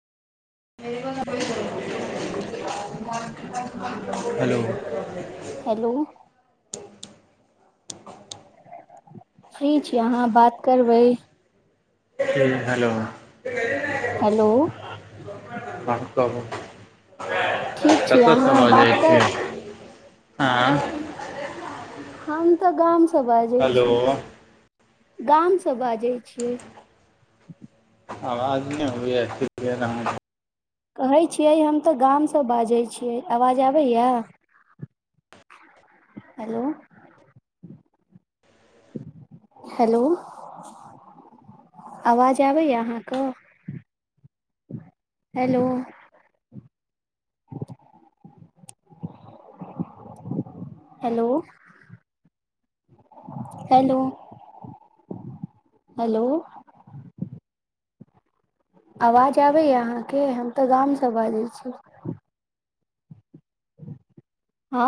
hello hello free छी अहाँ बात करबै हुँ हेलो हेलो हँ कहू ठीक छी कतयसँ अहाँ बजै बात छी कर आँ हम तऽ गामसँ बाजै हेलो छी गामसँ बाजै छियै आवाज नहि आबैय यऽ किलियर आहाँक कहै छियै हम तऽ गामसँ बाजै छियै आवाज आबै यऽ हेलो हेलो आवाज आबैया अहाँके हेलो [inaudible] हेलो हेलो हेलो आवाज आबैया अहाँके हम तऽ गामसँ बाजै छी हँ